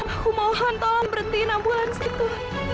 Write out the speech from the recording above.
aku mohon tolong berhenti nambulan situ